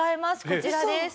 こちらです。